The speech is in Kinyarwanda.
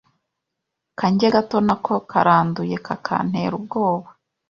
kanjye gato nako karanduye kakantera ubwoba